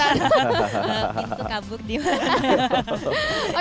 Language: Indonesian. gitu kabuk dimana